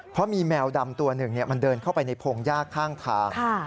เพราะมีแมวดำตัวหนึ่งมันเดินเข้าไปในพงยากข้างทาง